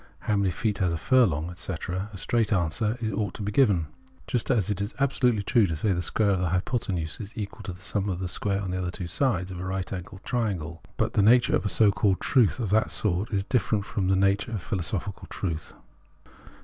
How many feet made a furlong ?", etc., 38 Phenomenology of Mind a straight answer ought to be given ; just as it is ab solutely true that the square of the hypotenuse is equal to the sum of the squares of the other two sides of a right angled triangle. But the nature of a so called truth of that sort is different from the nature of philosophical truth.